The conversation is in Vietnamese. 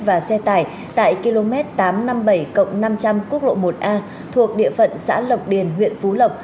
và xe tải tại km tám trăm năm mươi bảy năm trăm linh quốc lộ một a thuộc địa phận xã lộc điền huyện phú lộc